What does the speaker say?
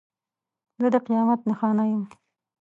زه د قیامت نښانه یم.